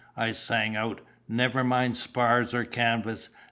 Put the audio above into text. I sang out, 'never mind spars or canvas!